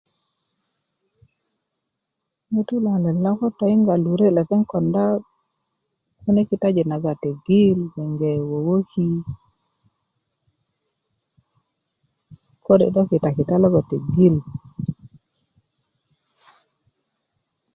ŋutu' luwalet lo ko toyiŋga lure' lepeŋ konda kune' kitajin nagoŋ tegil gboŋge wöwöki kode' ko kita kita logoŋ tegil